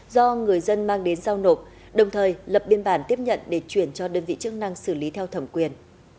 do người dân mang đến giao nộp đồng thời lập biên bản tiếp nhận để chuyển cho đơn vị chức năng xử lý theo thẩm quyền